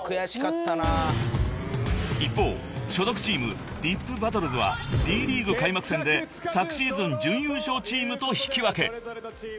［一方所属チームｄｉｐＢＡＴＴＬＥＳはＤ．ＬＥＡＧＵＥ開幕戦で昨シーズン準優勝チームと引き分け］